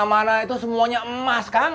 di mana itu semuanya emas kang